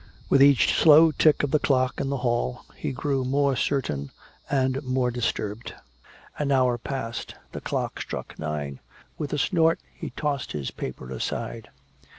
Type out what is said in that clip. With each slow tick of the clock in the hall he grew more certain and more disturbed. An hour passed. The clock struck nine. With a snort he tossed his paper aside.